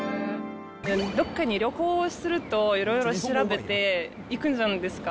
どっかに旅行すると、いろいろ調べて行くじゃないですか。